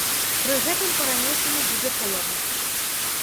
Пры гэтым па-ранейшаму будзе холадна.